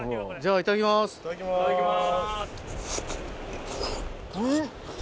いただきます。